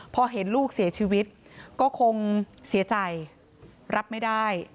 พอเห็นลูกเสียชีวิตก็คงเสียใจรับไม่ได้